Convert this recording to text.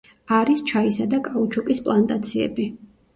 არის ჩაისა და კაუჩუკის პლანტაციები.